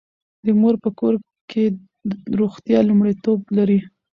د مور په کور کې روغتیا لومړیتوب لري.